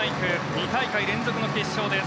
２大会連続の決勝です。